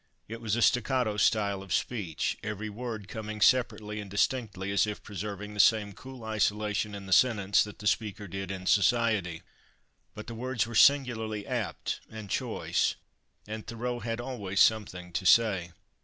It was a staccato style of speech, every word coming separately and distinctly, as if preserving the same cool isolation in the sentence that the speaker did in society; but the words were singularly apt and choice, and Thoreau had always something to say.